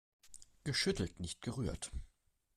Geschüttelt, nicht gerührt!